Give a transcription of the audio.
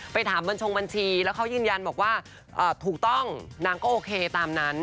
ไปถามบัญชงบัญชีแล้วเขายืนยันบอกว่าถูกต้องนางก็โอเคตามนั้น